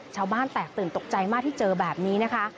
ชาวบ้านแตกตื่นตกใจมากที่เจอแบบนี้นะคะ